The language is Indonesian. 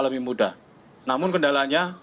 lebih mudah namun kendalanya